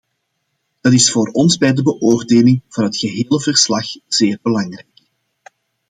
Dat is voor ons bij de beoordeling van het gehele verslag zeer belangrijk.